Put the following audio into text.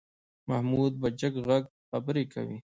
محمود په جګ غږ خبرې کوي.